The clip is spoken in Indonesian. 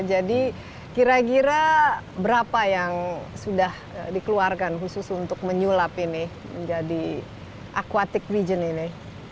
jadi kira kira berapa yang sudah dikeluarkan khusus untuk menyulap ini menjadi aquatic region ini